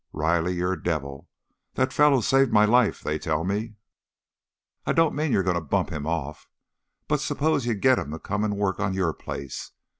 "Riley, you're a devil. That fellow saved my life, they tell me." "I don't mean you're going to bump him off. But suppose you get him to come and work on your place?